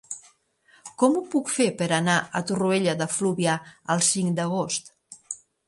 Com ho puc fer per anar a Torroella de Fluvià el cinc d'agost?